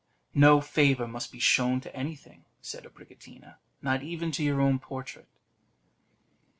"No favour must be shown to anything," said Abricotina, "not even to your own portrait."